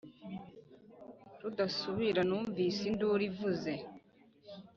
rudasubira numvise induru ivuze,